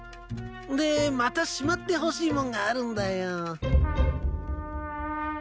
でまたしまってほしいもんがあるんだよ。